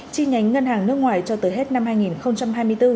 chi nhánh ngân hàng nước ngoài cho tới hết năm hai nghìn hai mươi bốn